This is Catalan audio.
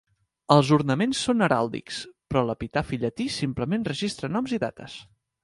Els ornaments són heràldics, però l'epitafi llatí simplement registra noms i dates.